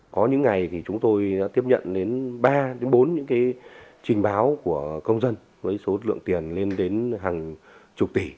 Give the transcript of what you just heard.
có những ngày thì chúng tôi đã tiếp nhận đến ba bốn những trình báo của công dân với số lượng tiền lên đến hàng chục tỷ